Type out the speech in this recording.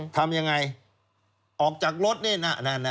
ทำยังไงออกจากรถนี่นะ